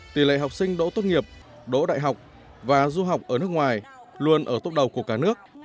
tỷ lệ học sinh đỗ tốt nghiệp đỗ đại học và du học ở nước ngoài luôn ở tốt đầu của cả nước